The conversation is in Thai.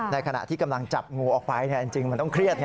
ขณะที่กำลังจับงูออกไปจริงมันต้องเครียดไง